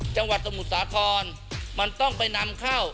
จังหวัดสมุทรสาทธรมันต้องไปนำเข้า